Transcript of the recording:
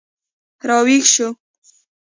راویښ شو